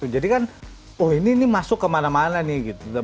jadi kan oh ini masuk kemana mana nih